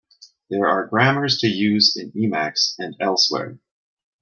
There are grammars to use in Emacs and elsewhere.